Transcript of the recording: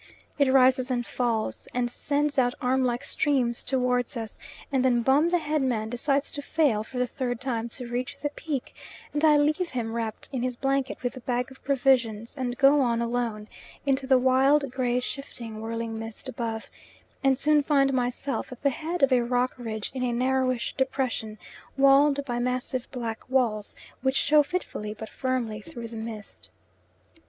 It rises and falls, and sends out arm like streams towards us, and then Bum, the head man, decides to fail for the third time to reach the peak, and I leave him wrapped in his blanket with the bag of provisions, and go on alone into the wild, grey, shifting, whirling mist above, and soon find myself at the head of a rock ridge in a narrowish depression, walled by massive black walls which show fitfully but firmly through the mist.